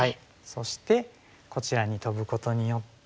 そしてこちらにトブことによって。